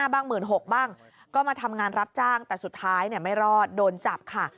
๑๖๐๐บ้างก็มาทำงานรับจ้างแต่สุดท้ายไม่รอดโดนจับค่ะ